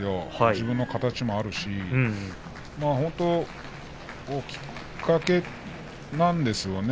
自分の形もありますし本当はきっかけなんですね